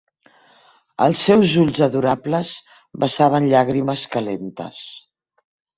Els seus ulls adorables vessaven llàgrimes calentes.